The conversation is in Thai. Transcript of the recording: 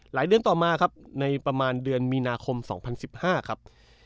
เดือนต่อมาครับในประมาณเดือนมีนาคม๒๐๑๕ครับ